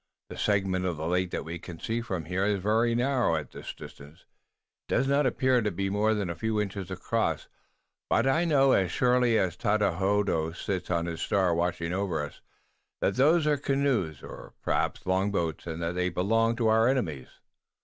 The segment of the lake that we can see from here is very narrow. At this distance it does not appear to be more than a few inches across, but I know as surely as Tododaho sits on his star watching over us, that those are canoes, or perhaps long boats, and that they belong to our enemies."